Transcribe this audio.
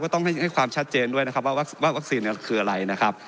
ต้องให้ความชัดเจนด้วยนะครับว่าวัคซีนคืออะไรนะครับ